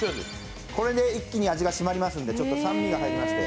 これで一気に味が締まりますので酸味で。